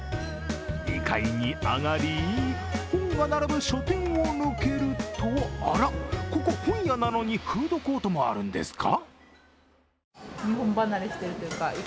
２階に上がり、本が並ぶ書店を抜けると、あらっ、ここ、本屋なのにフードコートもあるんですか？